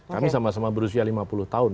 kami sama sama berusia lima puluh tahun